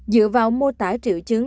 dựa vào mô tả triệu chứng